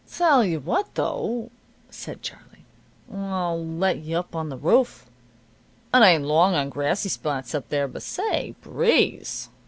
"Tell you what, though," said Charlie. "I'll let you up on the roof. It ain't long on grassy spots up there, but say, breeze!